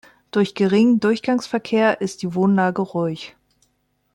Durch geringen Durchgangsverkehr ist die Wohnlage ruhig.